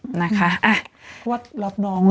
อืมขอแสดงความเสียใจกับครอบครัวของน้องด้วยอืมนะครับนะคะอ่ะ